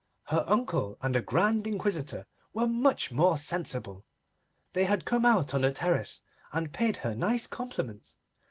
Her uncle and the Grand Inquisitor were much more sensible. They had come out on the terrace, and paid her nice compliments.